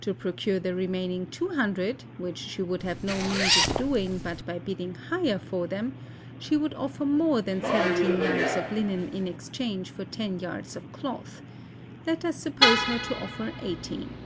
To procure the remaining 200, which she would have no means of doing but by bidding higher for them, she would offer more than seventeen yards of linen in exchange for ten yards of cloth; let us suppose her to offer eighteen.